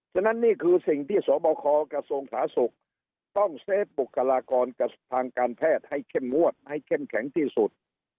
ฉะนั้นนี่คือสิ่งที่สบคกระทรวงสาธารณสุขต้องเซฟบุคลากรกับทางการแพทย์ให้เข้มงวดให้เข้มแข็งที่สุด